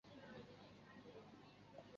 中环及田湾海旁道。